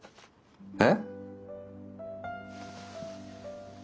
えっ！？